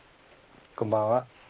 こんばんは。